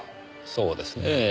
そうですねぇ。